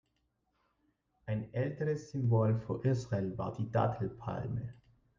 Ein älteres Symbol für Israel war die Dattelpalme.